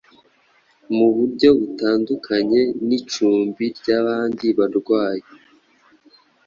mu buryo butandukanye nicumbi ryabandi barwanyi